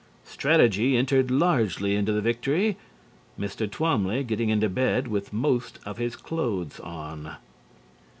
Strategy entered largely into the victory, Mr. Twamly getting into bed with most of his clothes on.